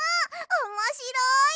おもしろい！